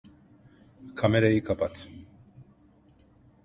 Kamerayı kapat.